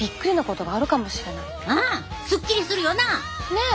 ねえ。